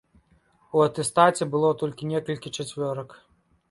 У атэстаце было толькі некалькі чацвёрак.